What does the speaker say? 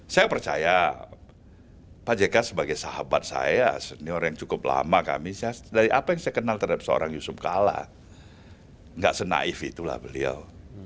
saya percaya pak jk sebagai sahabat saya senior yang cukup lama kami dari apa yang saya kenal terhadap seorang yusuf kalla nggak senaif itulah beliau